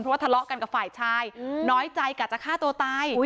เพราะว่าทละกันกับฝ่ายชายน้๙๔ลุค๓รีก